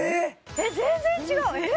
えっ全然違うえ！？